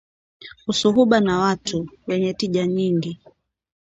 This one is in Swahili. Usuhuba na watu, wenye tija nyingi